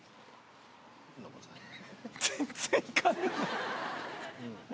全然行かない。